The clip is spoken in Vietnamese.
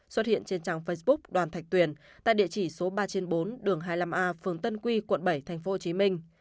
xuất hiện trên trang facebook đoàn thạch tuyển tại địa chỉ số ba trên bốn đường hai mươi năm a phường tân quy quận bảy tp hcm